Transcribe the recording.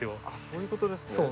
あっそういうことですね。